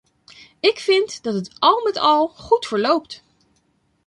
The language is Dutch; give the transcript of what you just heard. Ik vind dat het al met al goed verloopt.